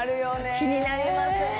気になりますね。